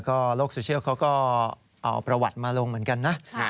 ก็โลกโซเชียลเขาก็เอาประวัติมาลงเหมือนกันนะ